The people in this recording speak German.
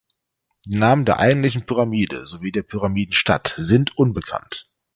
Die Namen der eigentlichen Pyramide sowie der Pyramidenstadt sind unbekannt.